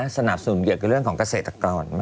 สนับสนุนเกี่ยวกับเรื่องของเกษตรกร